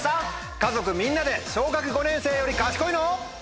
家族みんなで小学５年生より賢いの？